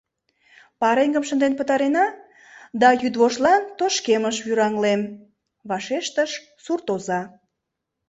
— Пареҥгым шынден пытарена, да йӱдвоштлан тошкемыш вӱраҥлем, — вашештыш суртоза.